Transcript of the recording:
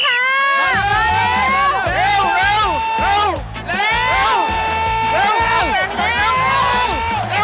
มาเร็ว